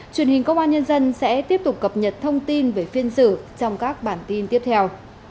truyền hình công an nhân dân sẽ tiếp tục cập nhật thông tin về phiên xử trong các bản tin tiếp theo